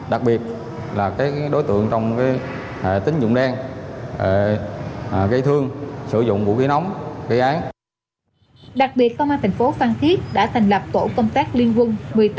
đặc biệt công an tp phan thiết đã thành lập tổ công tác liên quân một mươi tám